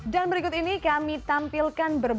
dan berikut ini kami tampilkan berikutnya